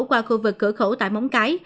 qua khu vực cửa khẩu tại móng cái